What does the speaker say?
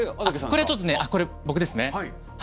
これちょっとこれ僕ですね。